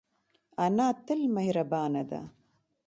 انا تل مهربانه ده